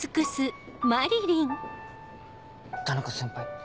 田中先輩。